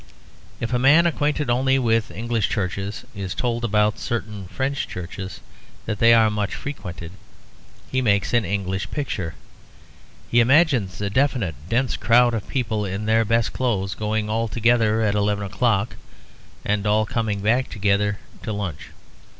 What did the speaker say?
If a man acquainted only with English churches is told about certain French churches that they are much frequented, he makes an English picture. He imagines a definite dense crowd of people in their best clothes going all together at eleven o'clock, and all coming back together to lunch.